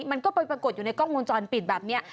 มันก็ไปปรากฏอยู่ในกล้องวงจรปิดแบบนี้